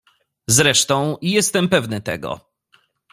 "Zresztą, jestem pewny tego."